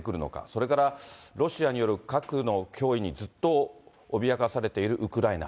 それからロシアによる核の脅威にずっと脅かされているウクライナ。